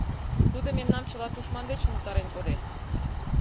Тудо мемнам чыла тушман деч утарен коден...